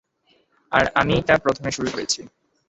আর আমিই তা প্রথমে শুরু করছি।